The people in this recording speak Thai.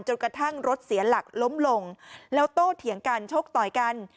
กระทั่งรถเสียหลักล้มลงแล้วโต้เถียงกันชกต่อยกัน